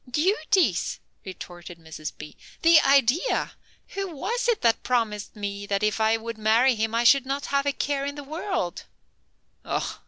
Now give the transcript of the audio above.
"Duties?" retorted Mrs. B., "the idea! Who was it that promised me that if I would marry him I should not have a care in the world?"